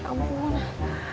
ya ampun ah